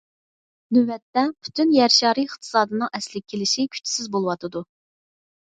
نۆۋەتتە پۈتۈن يەر شارى ئىقتىسادىنىڭ ئەسلىگە كېلىشى كۈچسىز بولۇۋاتىدۇ.